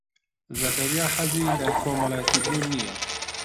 زەکەریا حەزی لە کۆمەڵایەتیبوون نییە.